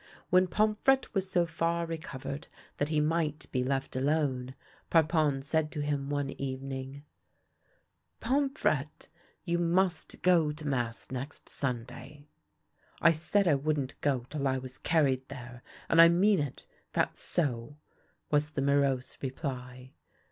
When Pom frette was so far recovered that he might be left alone, Parpon said to him one evening :" Pomfrette, you must go to mass next Sunday." " I said I wouldn't go till I was carried there, and I mean it — that's so," was the morose reply.